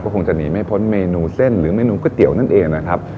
คงจะหนีไม่พ้นเมนูเส้นหรือเมนูก๋วยเตี๋ยวนั่นเองนะครับ